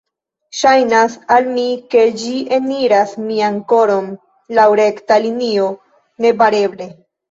Ŝajnas al mi ke ĝi eniras mian koron laŭ rekta linio, nebareble.